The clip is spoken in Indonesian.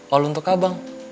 all untuk abang